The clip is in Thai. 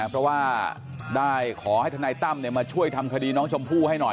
เพราะว่าได้ขอให้ทนายตั้มมาช่วยทำคดีน้องชมพู่ให้หน่อย